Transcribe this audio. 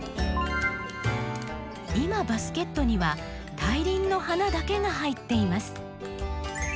今バスケットには大輪の花だけが入っています。